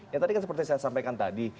yang tadi kan seperti saya sampaikan tadi